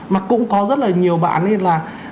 mà cũng có rất là nhiều bạn ấy là